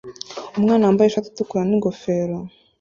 Umwana wambaye ishati itukura n'ingofero